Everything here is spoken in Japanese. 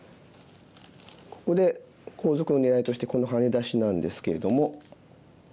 ここで後続の狙いとしてこのハネ出しなんですけれども。